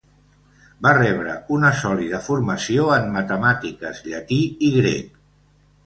Va rebre una sòlida formació en matemàtiques, llatí i grec.